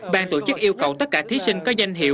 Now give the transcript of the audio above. ban tổ chức yêu cầu tất cả thí sinh có danh hiệu